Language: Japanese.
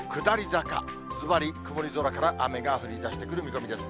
ずばり、曇り空から雨が降りだしてくる見込みです。